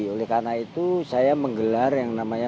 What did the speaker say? oleh karena itu saya menggelar yang namanya